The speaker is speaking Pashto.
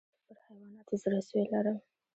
زه پر حیواناتو زړه سوى لرم.